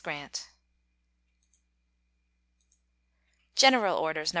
GRANT. GENERAL ORDERS, No.